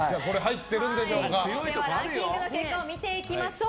ランキングの結果を見ていきましょう。